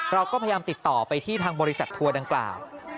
เราก็พยายามติดต่อไปที่ทางบริษัททัวร์ดังกล่าว